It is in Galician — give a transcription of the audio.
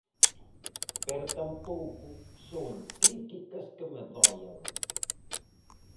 Pero tampouco son críticas que me doian.